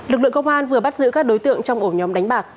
lực lượng công an vừa bắt giữ các đối tượng trong ổ nhóm đánh bạc